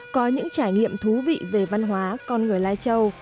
có những trải nghiệm thú vị về văn hóa con người lai châu